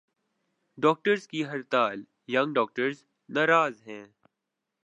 Doctors کی ہڑتال "young doctors "ناراض ہیں۔